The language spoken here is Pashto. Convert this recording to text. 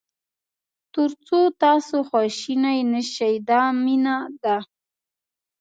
تر څو تاسو خواشینی نه شئ دا مینه ده.